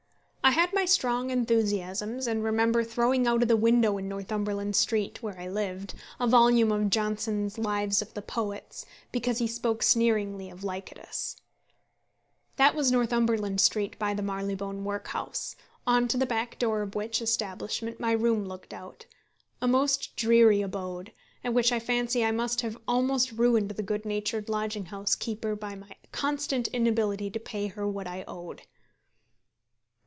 I had my strong enthusiasms, and remember throwing out of the window in Northumberland Street, where I lived, a volume of Johnson's Lives of the Poets, because he spoke sneeringly of Lycidas. That was Northumberland Street by the Marylebone Workhouse, on to the back door of which establishment my room looked out a most dreary abode, at which I fancy I must have almost ruined the good natured lodging house keeper by my constant inability to pay her what I owed.